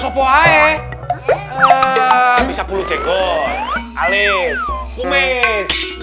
bisa puluh cekot alis kumis